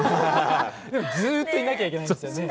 でもずっといなきゃいけないんですよね。